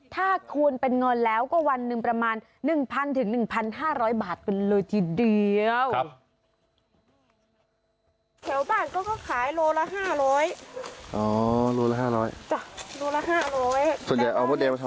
ถ้าคูณเป็นเงินแล้วก็วันหนึ่งประมาณ๑๐๐๑๕๐๐บาทกันเลยทีเดียว